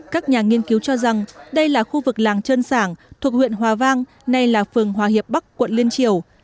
các nhà nghiên cứu cho rằng đây là khu vực làng trơn sảng thuộc huyện hòa vang nay là phường hòa hiệp bắc quận liên triều